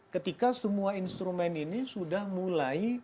ketika semua instrumen ini sudah mulai